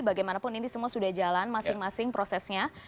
bagaimanapun ini semua sudah jalan masing masing prosesnya